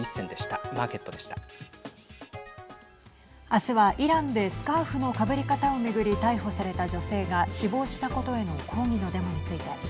明日は、イランでスカーフのかぶり方を巡り逮捕された女性が死亡したことへの抗議のデモについて。